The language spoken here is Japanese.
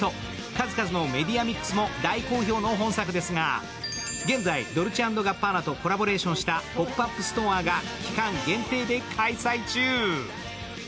数々のメディアミックスも大好評の本作ですが、現在、ドルチェ＆ガッバーナとコラボレーションしたポップアップストアが期間限定で開催中。